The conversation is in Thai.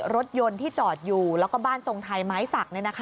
รถยนต์ที่จอดอยู่แล้วก็บ้านทรงไทยไม้สัก